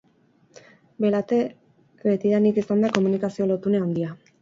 Belate betidanik izan da komunikazio lotune handia.